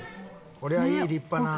「これはいい立派な」